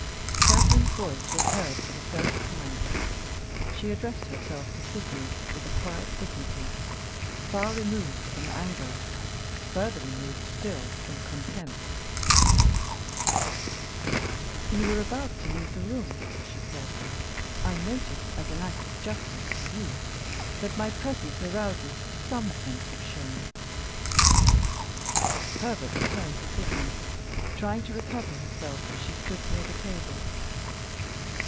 Catherine's voice was heard for the first time. She addressed herself to Sydney with a quiet dignity far removed from anger, further removed still from contempt. "You were about to leave the room," she said. "I notice as an act of justice to you that my presence arouses some sense of shame." Herbert turned to Sydney; trying to recover herself, she stood near the table.